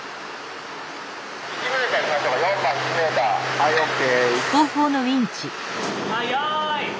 はいＯＫ。